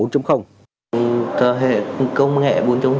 thời hệ công nghệ bốn